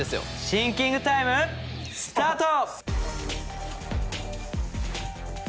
シンキングタイムスタート！